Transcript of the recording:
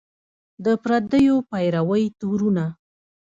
د پردیو پیروۍ تورونه